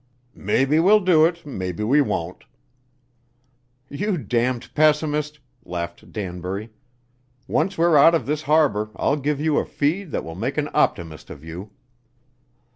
"Maybe we'll do it; maybe we won't." "You damned pessimist," laughed Danbury. "Once we're out of this harbor I'll give you a feed that will make an optimist of you."